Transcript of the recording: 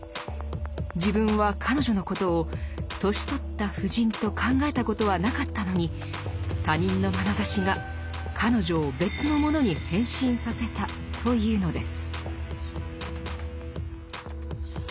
自分は彼女のことを年取った婦人と考えたことはなかったのに「他人の眼ざしが彼女を別の者に変身させた」というのです。